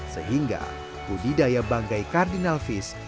sehingga budidaya banggai kardinal fish